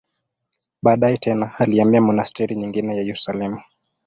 Baadaye tena alihamia monasteri nyingine za Yerusalemu.